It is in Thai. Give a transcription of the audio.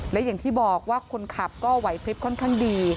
และอย่างที่บอกว่าคนขับก็ไหวพลิบค่อนข้างดี